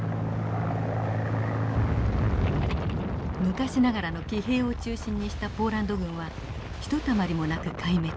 昔ながらの騎兵を中心にしたポーランド軍はひとたまりもなく壊滅。